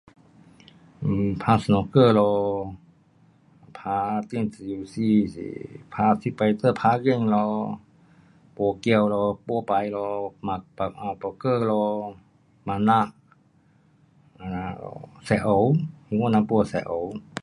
um 打 Snooker 咯，打电子游戏是打这次都打 game 咯，打赌，打牌咯，嘛打 poker 咯，玛呐，玛呐 um，吸烟，兴华人 pun 有吸烟。